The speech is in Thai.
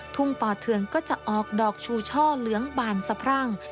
ป่อเทืองก็จะออกดอกชูช่อเหลืองบานสะพรั่ง